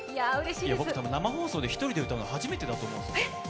僕、生放送で１人で歌うの初めてだと思うんですよ。